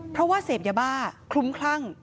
เพราะว่าเสพยาบ้าคลุ้มคลั่ง